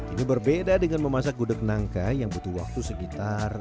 ini berbeda dengan memasak gudeg nangka yang butuh waktu sekitar